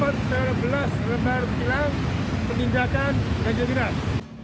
kita dapat tiga belas renar kilang penindakan gajah kilang